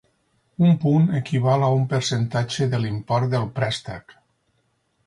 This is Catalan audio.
Un punt equival a un percentatge de l'import del préstec.